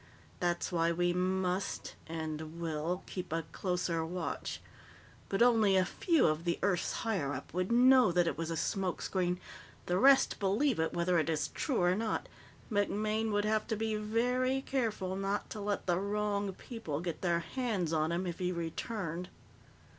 That's why we must and will keep a closer watch. But only a few of the Earth's higher up would know that it was a smoke screen; the rest believe it, whether it is true or not. MacMaine would have to be very careful not to let the wrong people get their hands on him if he returned."